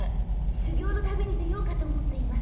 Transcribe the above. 修行の旅に出ようかと思っています。